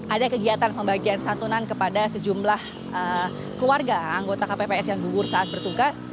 ada kegiatan pembagian santunan kepada sejumlah keluarga anggota kpps yang gugur saat bertugas